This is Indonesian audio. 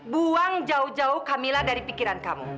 buang jauh jauh camilla dari pikiran kamu